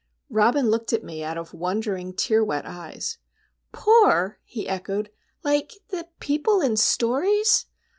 Robin looked at me out of wondering tear wet eyes. "Poor?" he echoed;—"like the people in stories?